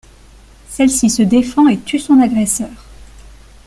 Celle-ci se défend et tue son agresseur.